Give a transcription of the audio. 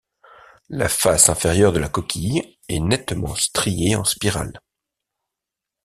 La face inférieure de la coquille est nettement striée en spirale.